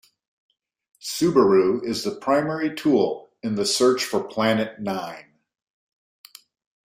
Subaru is the primary tool in the search for Planet Nine.